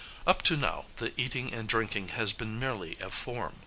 (Up to now the eating and drinking has been merely a form.)